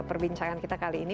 perbincangan kita kali ini